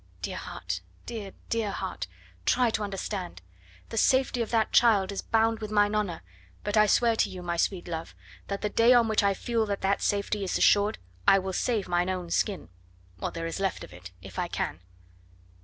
Dear heart! dear, dear heart! try to understand. The safety of that child is bound with mine honour, but I swear to you, my sweet love, that the day on which I feel that that safety is assured I will save mine own skin what there is left of it if I can!"